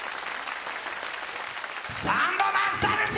サンボマスターです！